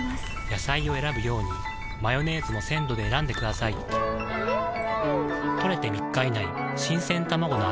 野菜を選ぶようにマヨネーズも鮮度で選んでくださいん！